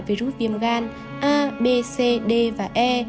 virus viêm gan a b c d và e